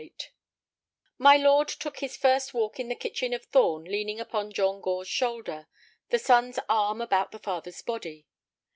XLVIII My lord took his first walk in the kitchen of Thorn leaning upon John Gore's shoulder, the son's arm about the father's body.